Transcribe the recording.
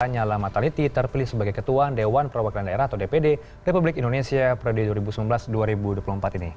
lanyala mataliti terpilih sebagai ketua dewan perwakilan daerah atau dpd republik indonesia periode dua ribu sembilan belas dua ribu dua puluh empat ini